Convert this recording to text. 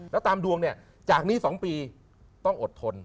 แล้วตามดวงเนี่ยจากนี้๒ปีต้องอดทน